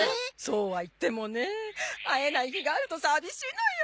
そうは言ってもね会えない日があると寂しいのよ。